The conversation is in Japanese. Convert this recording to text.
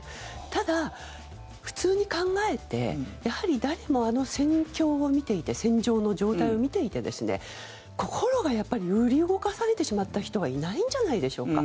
ただ、普通に考えてやはり誰もあの戦況を見ていて戦場の状態を見ていて心が揺り動かされてしまった人はいないんじゃないでしょうか。